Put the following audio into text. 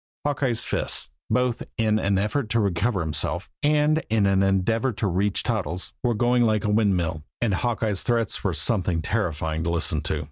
Hawkeye's fists, both in an effort to recover himself and in an endeavor to reach Toddles, were going like a windmill; and Hawkeye's threats were something terrifying to listen to.